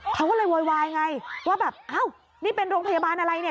เขาก็เลยโวยวายไงว่าแบบนี่เป็นโรงพยาบาลอะไร